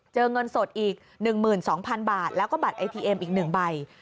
เจอเงินสดอีกหนึ่งหมื่นสองพันบาทแล้วก็บัตรไอทีเอ็มอีกหนึ่งใบ